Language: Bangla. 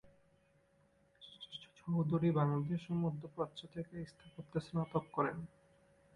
চৌধুরী বাংলাদেশ ও মধ্যপ্রাচ্য থেকে স্থাপত্যে স্নাতক করেন।